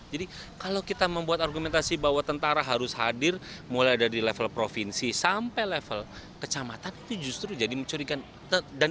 jadi kalau kita membuat argumentasi bahwa tentara harus hadir mulai dari level provinsi sampai level kecamatan itu justru jadi mencurigakan